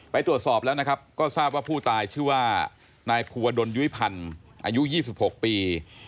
ตรวจสอบแล้วนะครับก็ทราบว่าผู้ตายชื่อว่านายภูวดลยุ้ยพันธ์อายุ๒๖ปี